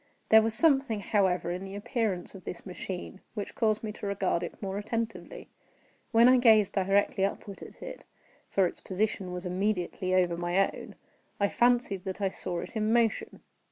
There was something, however, in the appearance of this machine which caused me to regard it more attentively. While I gazed directly upward at it (for its position was immediately over my own) I fancied that I saw it in motion.